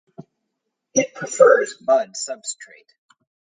It prefers mud substrate.